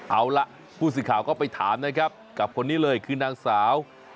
เอาล่ะผู้สื่อข่าวก็ไปถามนะครับกับคนนี้เลยคือนางสาว